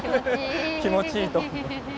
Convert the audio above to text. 気持ちいい。